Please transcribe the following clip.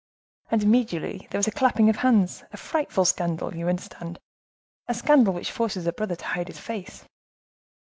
And immediately there was a clapping of hands. A frightful scandal! you understand; a scandal which forces a brother to hide his face."